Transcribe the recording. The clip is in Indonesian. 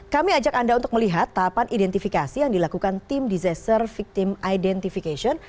kami ajak anda untuk melihat tahapan identifikasi yang dilakukan tim disaster victim identification